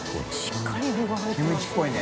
しっかり具が入ってますね。